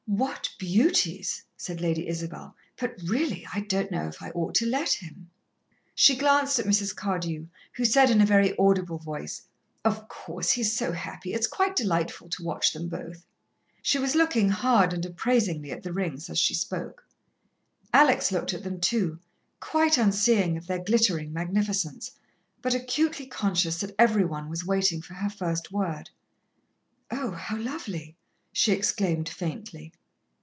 "What beauties!" said Lady Isabel. "But, really, I don't know if I ought to let him." She glanced at Mrs. Cardew, who said in a very audible voice: "Of course. He's so happy. It's quite delightful to watch them both." She was looking hard and appraisingly at the rings as she spoke. Alex looked at them too, quite unseeing of their glittering magnificence, but acutely conscious that every one was waiting for her first word. "Oh, how lovely!" she exclaimed faintly.